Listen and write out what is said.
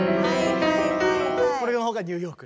これのほうがニューヨーク。